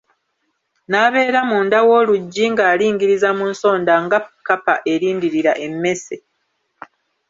N'abeera munda w'oluggi ng'alingiririza mu nsonda nga kapa erindirira emmese.